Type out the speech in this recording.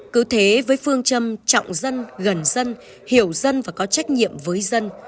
cứ thế với phương châm trọng dân gần dân hiểu dân và có trách nhiệm với dân